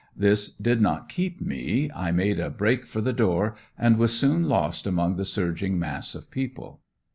This did not keep me, I made a break for the door and was soon lost among the surging mass of people.